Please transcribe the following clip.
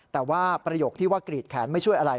แต่ว่าประโยคที่ว่ากรีดแขนไม่ช่วยอะไร